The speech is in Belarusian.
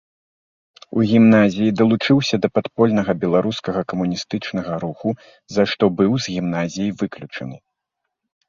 У гімназіі далучыўся да падпольнага беларускага камуністычнага руху, за што быў з гімназіі выключаны.